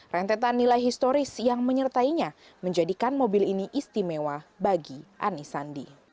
rentetan nilai historis yang menyertainya menjadikan mobil ini istimewa bagi anisandi